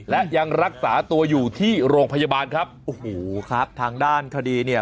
และยังรักษาตัวอยู่ที่โรงพยาบาลครับโอ้โหครับทางด้านคดีเนี่ย